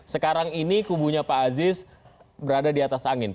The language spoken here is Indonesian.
sekarang ini kubunya pak aziz berada di atas angin